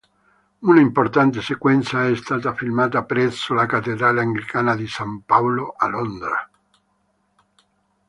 Un'importante sequenza è stata filmata presso la cattedrale anglicana di San Paolo a Londra.